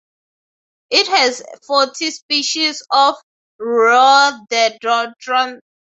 It has forty species of rhododendron trees.